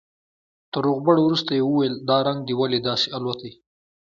تر روغبړ وروسته يې وويل دا رنگ دې ولې داسې الوتى.